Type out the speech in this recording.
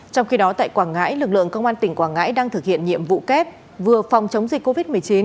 trong khi đó tại quảng ngãi lực lượng công an tỉnh quảng ngãi đang thực hiện nhiệm vụ kép vừa phòng chống dịch covid một mươi chín